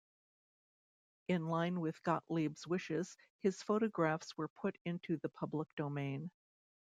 In line with Gottlieb's wishes, his photographs were put into the public domain.